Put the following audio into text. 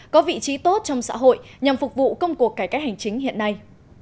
có vị trí tốt trong xã hội nhằm phục vụ công cuộc cải cách hành chính hiện nay